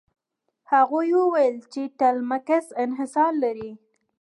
هغوی وویل چې ټیلمکس انحصار لري.